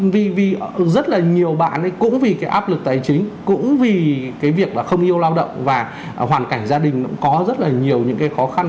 vì rất là nhiều bạn ấy cũng vì cái áp lực tài chính cũng vì cái việc là không yêu lao động và hoàn cảnh gia đình nó cũng có rất là nhiều những cái khó khăn